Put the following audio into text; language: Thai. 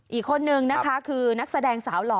อีกคนนึงนะคะคือนักแสดงสาวหล่อ